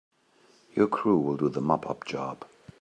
Your crew will do the mop up job.